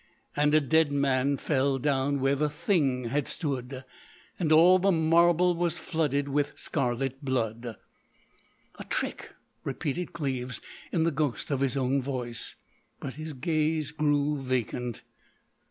And a dead man fell down where the thing had stood. And all the marble was flooded with scarlet blood." "A trick," repeated Cleves, in the ghost of his own voice. But his gaze grew vacant.